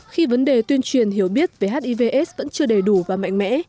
khi vấn đề tuyên truyền hiểu biết về hiv aids vẫn chưa đầy đủ và mạnh mẽ